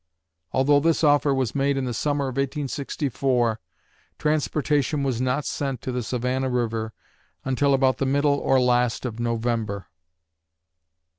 Although this offer was made in the summer of 1864, transportation was not sent to the Savannah River until about the middle or last of November.